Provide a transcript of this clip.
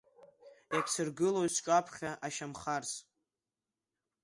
Иагьсыргылоит сҿаԥхьа ашьамх арс!